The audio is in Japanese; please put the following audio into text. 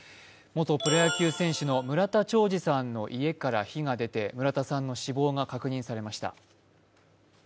元プロ野球選手の村田兆治の家から火が出て村田さんの死亡が確認されました。